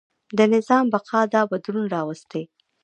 د نظام بقا دا بدلون راوستی.